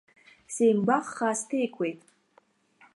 Сеимгәаххаа сҭеикуеит.